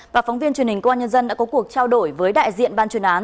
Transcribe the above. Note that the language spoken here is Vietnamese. và phóng viên truyền hình công an nhân dân đã có cuộc trao đổi với đại diện ban chuyên án